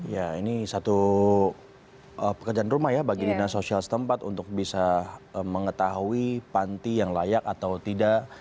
ya ini satu pekerjaan rumah ya bagi dinas sosial setempat untuk bisa mengetahui panti yang layak atau tidak